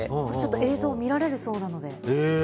映像が見られるそうなので。